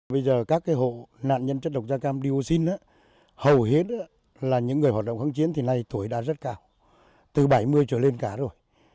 bây giờ các hộ nạn nhân chất độc da cam dioxin hầu hết là những người hoạt động kháng chiến thì nay tuổi đã rất cao từ bảy mươi trở lên cả rồi